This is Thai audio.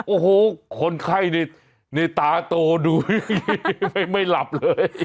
โอ้โหคนไข้นี่ตาโตด้วยไม่หลับเลย